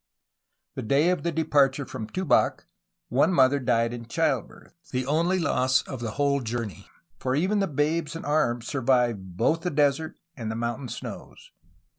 The day of the departure from Tubac one mother died in childbirth — the only loss of the whole journey, for even the babes in arms survived both the desert and the mountain snows.